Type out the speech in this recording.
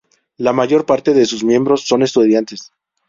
La mayor parte de sus miembros son estudiantes.